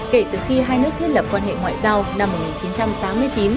kể từ khi hai nước thiết lập quan hệ ngoại giao năm một nghìn chín trăm tám mươi chín